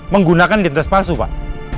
menggunakan lintas palsu pak